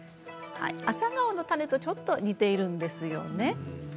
アサガオの種と似ているんですよね。